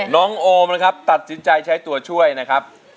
โอมนะครับตัดสินใจใช้ตัวช่วยนะครับ